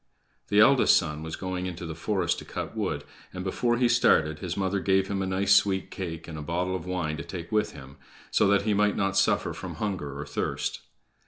The eldest son was going into the forest to cut wood, and, before he started, his mother gave him a nice sweet cake and a bottle of wine to take with him, so that he might not suffer from hunger or thirst.